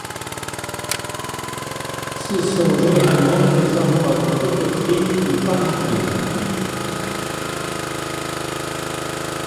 Ce sont généralement des hormones autocrines ou paracrines.